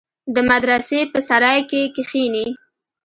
د مدرسې په سراى کښې کښېني.